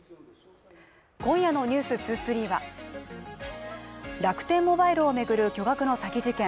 今夜の「ｎｅｗｓ２３」は楽天モバイルを巡る巨額の詐欺事件。